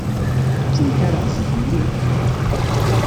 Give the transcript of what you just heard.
Ttenkareɣ zik mliḥ.